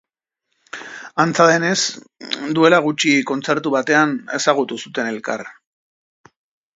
Antza denez, duela gutxi kontzertu batean ezagutu zuten elkar.